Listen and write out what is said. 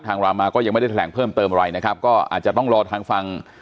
รามาก็ยังไม่ได้แถลงเพิ่มเติมอะไรนะครับก็อาจจะต้องรอทางฟัง